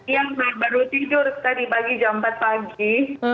yang baru tidur tadi pagi jam empat pagi